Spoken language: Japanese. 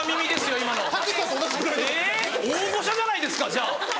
大御所じゃないですかじゃあ。